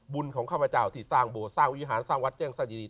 บุญของข้าพเจ้าที่สร้างโบสถสร้างวิหารสร้างวัดแจ้งสดี